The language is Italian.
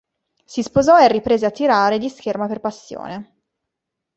Si sposò e riprese a tirare di scherma per passione.